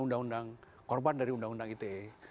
undang undang korban dari undang undang ite